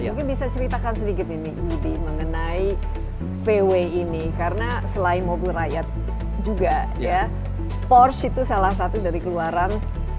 mungkin bisa ceritakan sedikit ini wibi mengenai vw ini karena selain mobil rakyat juga ya pors itu salah satu dari keluaran